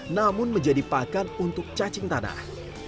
namun menjadi pakan untuk cacing tanah